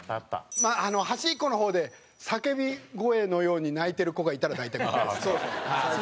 端っこの方で叫び声のように泣いてる子がいたら大体ここですね。